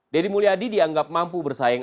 deddy mulyadi dianggap mampu bersaing